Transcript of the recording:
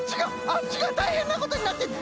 あっちがたいへんなことになってる！